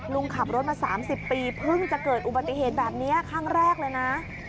ลุงขับรถมา๓๐ปีเพิ่งจะเกิดอุบัติเหตุแบบนี้ครั้งแรกเลยนะ